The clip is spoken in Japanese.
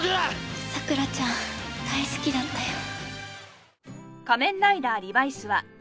さくらちゃん大好きだったよ。